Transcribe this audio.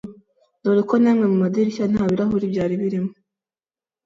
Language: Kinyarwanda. dore ko namwe mumadirishya ntabirahuri byari birimo,